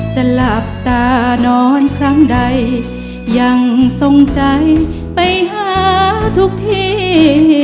จะหลับตานอนครั้งใดยังทรงใจไปหาทุกที่